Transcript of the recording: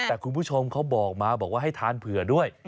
แต่คุณผู้ชมเขาบอกมาบอกว่าให้ทานเผื่อด้วย